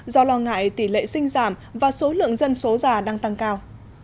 do lo ngại tỷ lệ sinh giảm và số lượng dân số già đang tăng cao